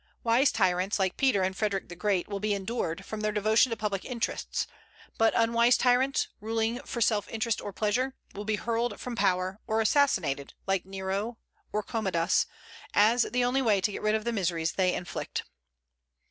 Wise tyrants, like Peter and Frederic the Great, will be endured, from their devotion to public interests; but unwise tyrants, ruling for self interest or pleasure, will be hurled from power, or assassinated like Nero or Commodus, as the only way to get rid of the miseries they inflict.